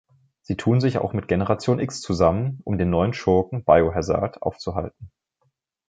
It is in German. Sie tun sich auch mit Generation X zusammen, um den neuen Schurken Biohazard aufzuhalten.